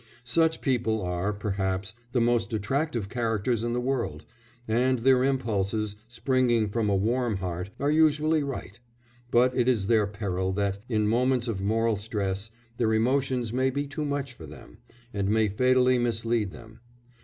Such people are, perhaps, the most attractive characters in the world, and their impulses, springing from a warm heart, are usually right: but it is their peril that, in moments of moral stress, their emotions may be too much for them, and may fatally mislead them.